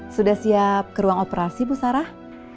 sudah siap ke ruang operasi bu sarah